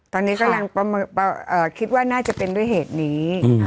ตอนนี้กำลังคิดว่าน่าจะเป็นด้วยเหตุนี้